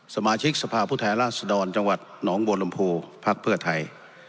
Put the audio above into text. สมาชิกสภาพุทธแหล่าสดรจังหวัดหนองบวนลมภูร์ภาคเพื่อไทย